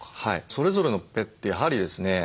それぞれのペットやはりですね